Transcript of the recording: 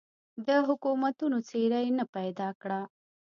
د حکومتونو څېره یې نه پیدا کړه.